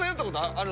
ある。